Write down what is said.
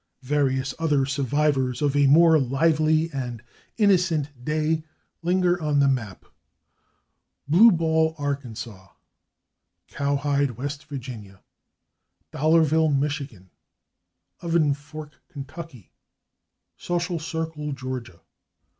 Various other survivors of a more lively and innocent day linger on the map: /Blue Ball/, Ark., /Cowhide/, W. Va., /Dollarville/, Mich., /Oven Fork/, Ky., /Social Circle/, Ga.